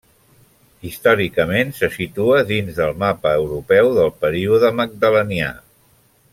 Històricament, se situa dins del mapa europeu del període magdalenià.